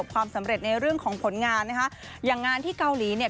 ความสำเร็จในเรื่องของผลงานนะคะอย่างงานที่เกาหลีเนี่ย